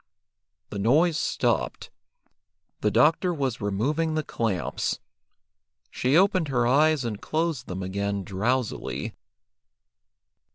The noise stopped. The doctor was removing the clamps. She opened her eyes and closed them again drowsily.